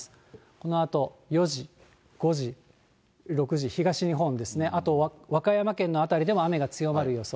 このあと４時、５時、６時、東日本ですね、あと和歌山県の辺りでも雨が強まる予想。